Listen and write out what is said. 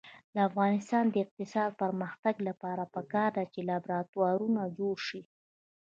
د افغانستان د اقتصادي پرمختګ لپاره پکار ده چې لابراتوارونه جوړ شي.